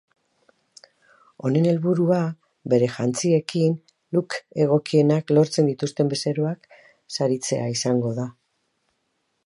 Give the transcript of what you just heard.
Honen helburua, bere jantziekin look egokienak lortzen dituzten bezeroak saritzea izango da.